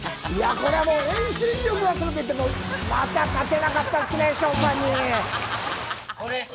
これはもう遠心力がすごくて、また勝てなかったですね、翔さんに。